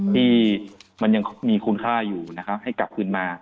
ที่มันยังมีคุณค่าอยู่นะครับให้กลับคืนมา